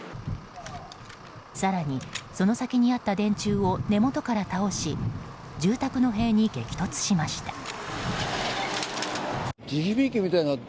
更に、その先にあった電柱を根元から倒し住宅の塀に激突しました。